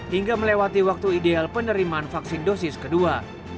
hingga melewati waktu ideal penerimaan vaksin dosis kedua